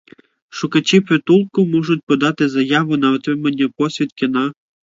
Шукачі притулку можуть подати заявку на отримання посвідки на